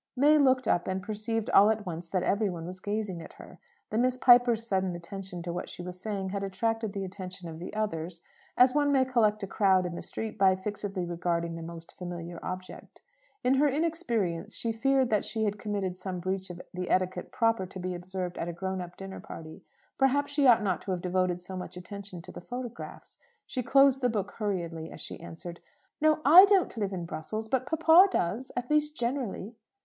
May looked up, and perceived all at once that every one was gazing at her. The Miss Pipers' sudden attention to what she was saying had attracted the attention of the others as one may collect a crowd in the street by fixedly regarding the most familiar object. In her inexperience she feared she had committed some breach of the etiquette proper to be observed at a "grown up dinner party." Perhaps she ought not to have devoted so much attention to the photographs! She closed the book hurriedly as she answered "No, I don't live in Brussels, but papa does at least, generally."